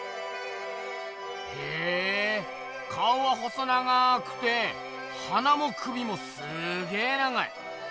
へえ顔は細長くて鼻も首もすげ長い。